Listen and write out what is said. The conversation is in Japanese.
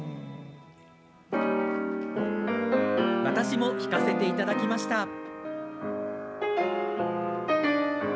私も弾かせていただきました。